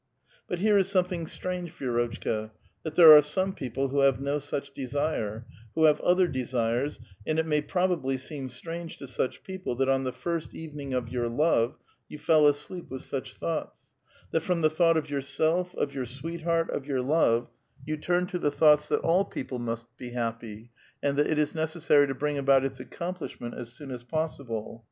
But here is something strange, Vi^rotchka, that there are some people who have no such desire, who have other desires, and it may probably seem strange to such people that on the first evening of your love, you fell asleep with such thoughts ; that from the thougiit of yourself, of your sweetheart, of your love, you turned to the thoughts that all people must be happy, and that it is necessar}^ to bring about its accomplish ment as soon as possible.